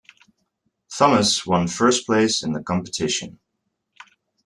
Thomas one first place in the competition.